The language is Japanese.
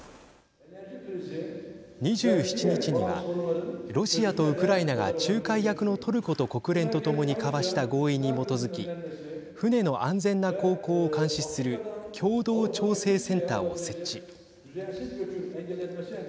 ２７日にはロシアとウクライナが仲介役のトルコと国連とともに交わした合意に基づき船の安全な航行を監視する共同調整センターを設置。